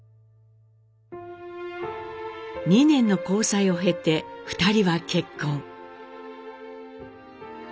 ２年の交際を経て２人は結婚。